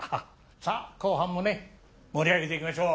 さっ後半もね盛り上げていきましょう！